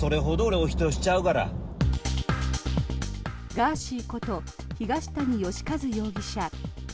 ガーシーこと東谷義和容疑者。